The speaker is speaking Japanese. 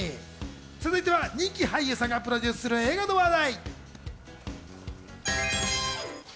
続いては人気俳優さんがプロデュースする映画の話題。